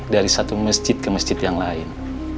dari satu masjid ke masjid yang lain